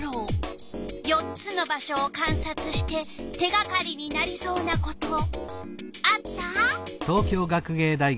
４つの場所をかんさつして手がかりになりそうなことあった？